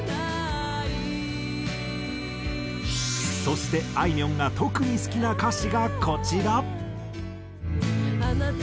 そしてあいみょんが特に好きな歌詞がこちら。